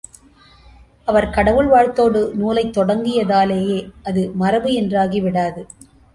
அவர் கடவுள் வாழ்த்தோடு நூலைத், தொடங்கியதாலேயே அது மரபு என்றாகிவிடாது.